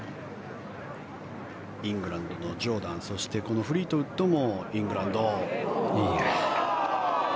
イングランドのジョーダンそして、このフリートウッドもイングランド。